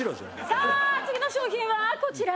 さあ次の商品はこちら。